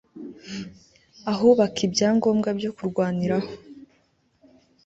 ahubaka ibya ngombwa byo kurwaniraho